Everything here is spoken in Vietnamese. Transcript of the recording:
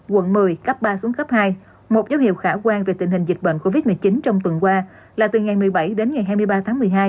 quận một mươi cấp ba xuống cấp hai một dấu hiệu khả quan về tình hình dịch bệnh covid một mươi chín trong tuần qua là từ ngày một mươi bảy đến ngày hai mươi ba tháng một mươi hai